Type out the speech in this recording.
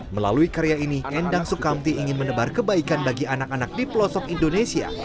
melalui karya ini endang sukamti ingin menebar kebaikan bagi anak anak di pelosok indonesia